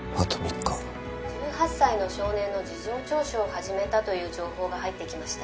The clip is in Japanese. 「１８歳の少年の事情聴取を始めたという情報が入ってきました」